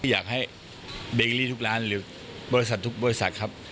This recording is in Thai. อยากให้เบลลี่ทุกร้านหรือบริษัททุกบริษัทครับ